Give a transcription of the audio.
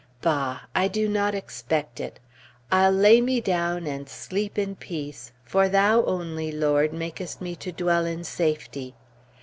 Bah! I do not expect it. "I'll lay me down and sleep in peace, for Thou only, Lord, makest me to dwell in safety."